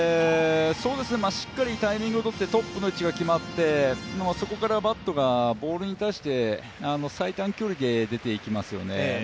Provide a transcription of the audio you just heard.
しっかりタイミングを取って、トップの位置が決まってそこからバットがボールに対して最短距離で出ていきますよね。